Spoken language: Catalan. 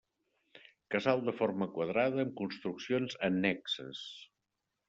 Casal de forma quadrada amb construccions annexes.